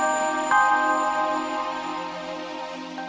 senang beloved ni aku